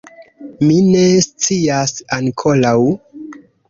Mi ne scias ankoraŭ.